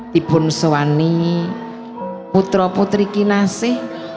tipun suwani putro putri kinaseh